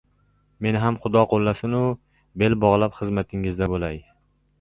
Meni ham xudo qo‘llasinu, bel bog‘lab xizmatingizda bo‘lay.